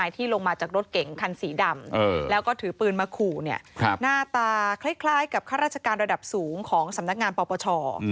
ที่ลงมาจากรถเก๋งคันสีดำแล้วก็ถือปืนมาขู่หน้าตาคล้ายกับข้าราชการระดับสูงของสำนักงานปปช